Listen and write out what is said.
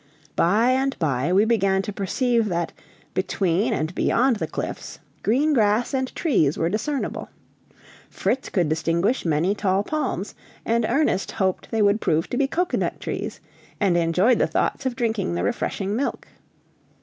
By and by we began to perceive that, between and beyond the cliffs, green grass and trees were discernible. Fritz could distinguish many tall palms, and Ernest hoped they would prove to be cocoanut trees, and enjoyed the thoughts of drinking the refreshing milk.